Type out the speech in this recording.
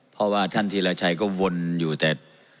เพราะว่าท่านธีรชัยก็วนอยู่แต่